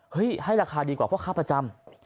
ให้ราคาดีกว่าเพราะค่าประจำ